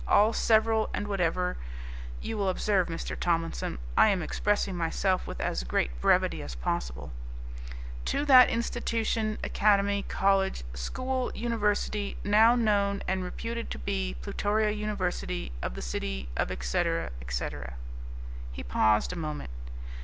all, several and whatever you will observe, Mr. Tomlinson, I am expressing myself with as great brevity as possible to that institution, academy, college, school, university, now known and reputed to be Plutoria University, of the city of etc., etc." He paused a moment.